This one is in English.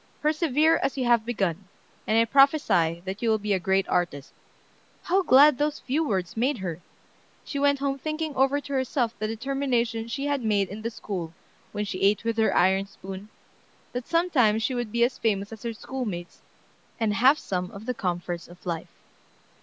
Persevere as you have begun, and I prophesy that you will be a great artist." How glad those few words made her! She went home thinking over to herself the determination she had made in the school when she ate with her iron spoon, that sometime she would be as famous as her schoolmates, and have some of the comforts of life.